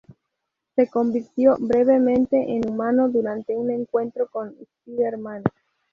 Se convirtió brevemente en humano durante un encuentro con Spider-Man.